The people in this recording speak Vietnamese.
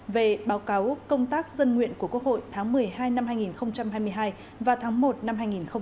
về báo cáo công tác dân nguyện của quốc hội tháng một mươi hai năm hai nghìn hai mươi hai và tháng một năm hai nghìn hai mươi bốn